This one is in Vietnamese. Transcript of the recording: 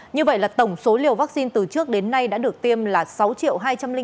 như vậy là tổng số liều vaccine từ trước đến nay đã được tiêm là sáu hai trăm linh ba tám trăm sáu mươi sáu liều